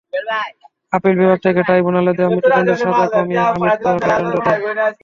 Appeal বিভাগ তাঁকে ট্রাইব্যুনালের দেওয়া মৃত্যুদণ্ডের সাজা কমিয়ে আমৃত্যু কারাদণ্ড দেন।